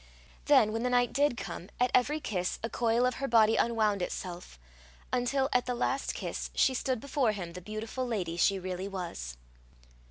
Then, when the knight did come, at every kiss a coil of her body unwound itself, until, at the last kiss, she stood before him the beautiful lady she really was.